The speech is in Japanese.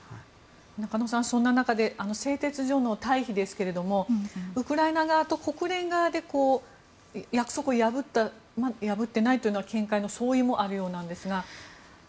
中野さんそんな中で製鉄所の退避ですがウクライナ側と国連側で約束を破った、破ってないというのは見解の相違もあるようなんですが。